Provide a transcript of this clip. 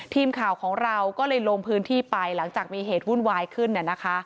ทีมข่าวของเราก็เลยลงพื้นที่ไปหลังจากมีเหตุวุ่นวายขึ้นน่ะนะคะ